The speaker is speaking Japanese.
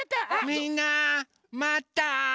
みんなまった？